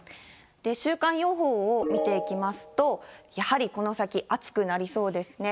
週間予報を見ていきますと、やはりこの先暑くなりそうですね。